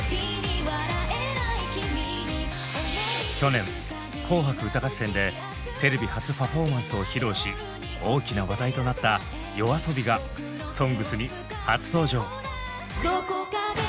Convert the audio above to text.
去年「紅白歌合戦」でテレビ初パフォーマンスを披露し大きな話題となったＹＯＡＳＯＢＩが「ＳＯＮＧＳ」に初登場！